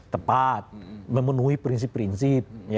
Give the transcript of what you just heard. tepat memenuhi prinsip prinsip